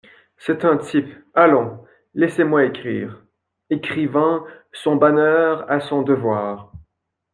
C’est un type ! allons ! laissez-moi écrire… écrivant "son bonheur à son devoir"…